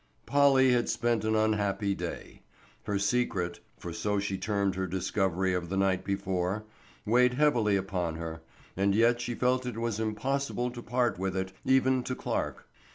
POLLY had spent an unhappy day. Her secret—for so she termed her discovery of the night before—weighed heavily upon her, and yet she felt it was impossible to part with it, even to Clarke.